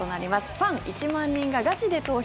「ファン１万人がガチで投票！